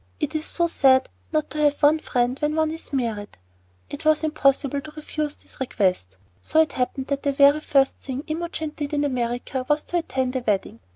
It is so sad not to have one friend when one is married." It was impossible to refuse this request; so it happened that the very first thing Imogen did in America was to attend a wedding.